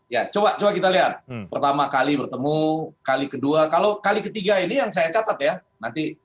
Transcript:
ya coba coba kita lihat pertama kali bertemu kali kedua kalau kali ketiga ini yang saya catat ya